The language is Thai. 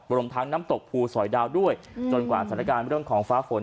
รวมทั้งน้ำตกภูสอยดาวด้วยจนกว่าสถานการณ์เรื่องของฟ้าฝน